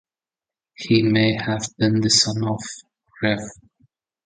He may have been the son of Rev.